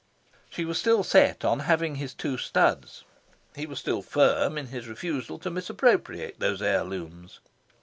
She was still set on having his two studs. He was still firm in his refusal to misappropriate those heirlooms.